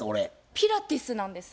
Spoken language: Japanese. ピラティスなんです。